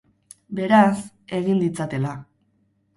Beraz, egin ditzatela.